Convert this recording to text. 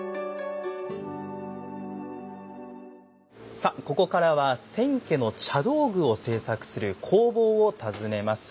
さあここからは千家の茶道具を製作する工房を訪ねます。